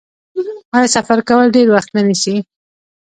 آیا سفر کول ډیر وخت نه نیسي؟